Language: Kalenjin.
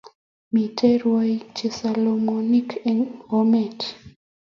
Miten rwaik che salamonik en Bomet